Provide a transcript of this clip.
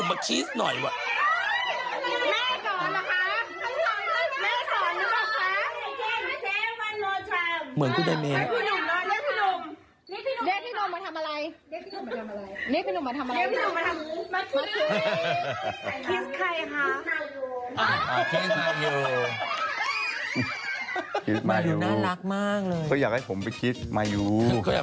กระเทยเก่งกว่าเออแสดงความเป็นเจ้าข้าว